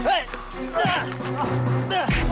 enggak berisik lu